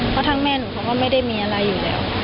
เพราะทั้งแม่หนูเขาก็ไม่ได้มีอะไรอยู่แล้ว